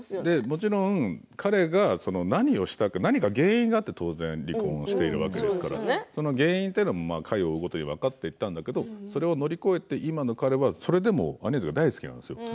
もちろん彼が何をしたか何が原因があって離婚をしているわけですけど原因というのが分かっていたんだけどそれを乗り越えて今の彼はそれでもアニェーゼが大好きなんですよ。